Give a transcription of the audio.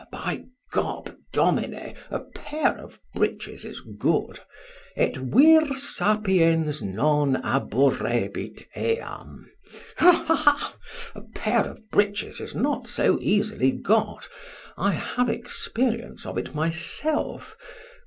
Ho by gob, Domine, a pair of breeches is good, et vir sapiens non abhorrebit eam. Ha, ha, a pair of breeches is not so easily got; I have experience of it myself.